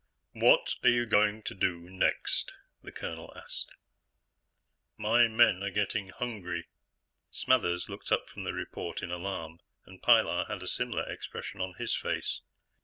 "What are you going to do next?" the colonel asked. "My men are getting hungry." Smathers looked up from the report in alarm, and Pilar had a similar expression on his face.